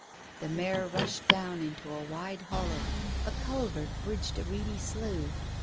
The mare rushed down into a wide hollow. A culvert bridged a reedy slough.